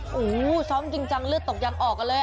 โอ้โหซ้อมจริงจังเลือดตกยังออกกันเลย